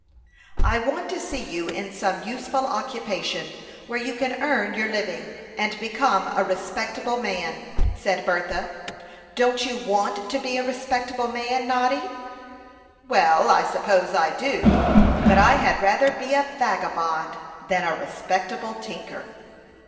"I want to see you in some useful occupation, where you can earn your living, and become a respectable man," said Bertha. "Don't you want to be a respectable man, Noddy?" "Well, I suppose I do; but I had rather be a vagabond than a respectable tinker."